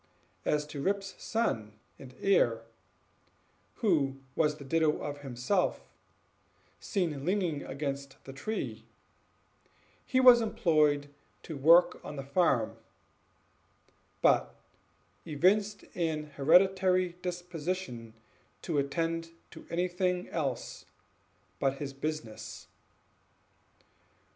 As to Rip's son and heir, who was the ditto of himself, seen leaning against the tree, he was employed to work on the farm; but evinced an hereditary disposition to attend to anything else but his business.